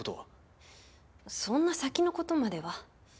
そんな先の事までは。